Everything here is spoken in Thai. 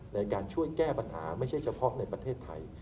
ในการช่วยแก้ปัญหาไม่ใช่เฉพาะในประเทศไทย